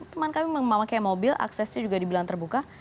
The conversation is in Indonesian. teman kami memakai mobil aksesnya juga dibilang terbuka